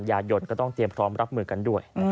ยายนก็ต้องเตรียมพร้อมรับมือกันด้วย